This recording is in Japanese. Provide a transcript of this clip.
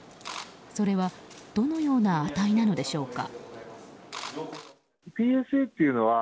それはどのような値なのでしょうか。